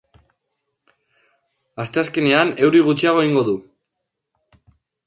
Asteazkenean euri gutxiago egingo du.